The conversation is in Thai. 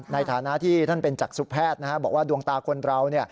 ในฐานะที่ท่านเป็นจักษุแพทย์บอกว่าดวงตาคนเรา